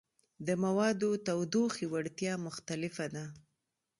د موادو تودوخې وړتیا مختلفه ده.